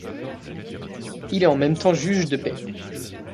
Il est en même temps juge de paix.